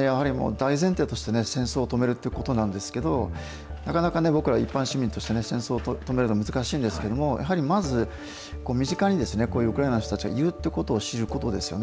やはり大前提としてね、戦争を止めるってことなんですけれども、なかなか僕ら、一般市民として戦争を止めるの難しいんですけれども、やはりまず、身近にこういうウクライナの人たちがいるっていうことを知ることですよね。